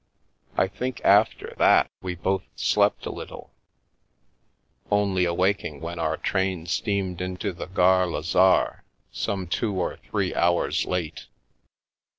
I think after that we both slept a little, only awaking when our train steamed into the Gare Lazare, some two or three hours late.